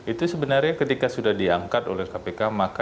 itu sebenarnya ketika sudah diangkat oleh kpk